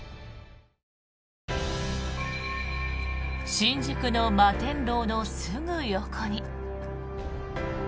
新宿の摩天楼のすぐ横に。